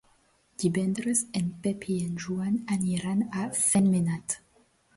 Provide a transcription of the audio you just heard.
Divendres en Pep i en Joan aniran a Sentmenat.